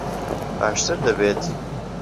باشتر دەبێت.